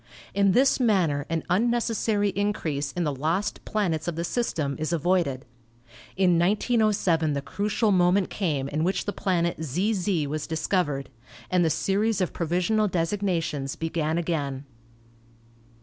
In this manner an unneces sary increase in the lost planets of the system is avoided. In 1907 the crucial moment came in which the planet ZZ was discovered, and the series of provisional designations began again.